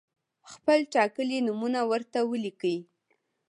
خپل ټاکلي نومونه ورته ولیکئ.